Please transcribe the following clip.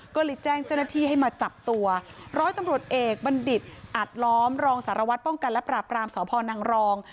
ก็เลยแจ้งเจ้าหน้าที่ให้มาจับตัวร้อยตำรวจเอกบัณฑิตอัดล้อมรองสารวัตรป้องกันและปราบรามสพนังรอง